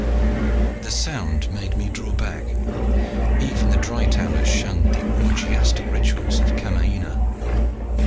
The sound made me draw back. Even the Dry towners shunned the orgiastic rituals of Kamaina.